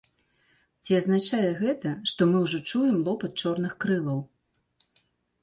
Ці азначае гэта, што мы ўжо чуем лопат чорных крылаў?